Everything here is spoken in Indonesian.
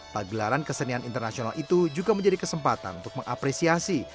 pagelaran kesenian internasional itu juga menjadi kesempatan untuk mengapresiasi